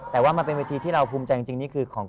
แต่ว่ามันเป็นเวทีที่เราภูมิใจจริงนี่คือของ